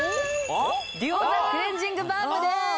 ＤＵＯザクレンジングバームですああ